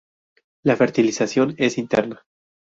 La fertilización es interna.